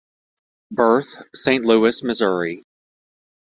Birth: Saint Louis, Mo.